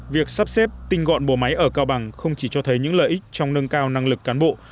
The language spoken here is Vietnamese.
việc sắp xếp tinh gọn bộ máy ở cao bằng không chỉ cho thấy những lợi ích trong nâng cao năng lực cán bộ